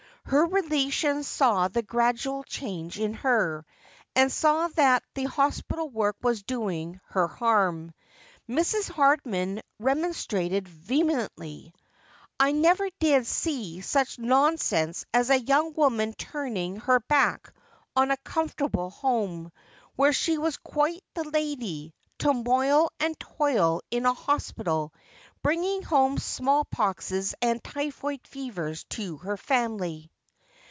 Her relations saw the gradual change in her, and saw that the hospital work was doing her haini. Mrs. Hardman remon strated vehemently. ' I never did tee such nonsense as a young woman turning her back on a comfortable home, where she was quite the lady, to moil and toil in an hospital, bringing home small poxes and typhoid fevers to her family.'